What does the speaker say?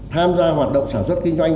tham gia hoạt động sản xuất kinh doanh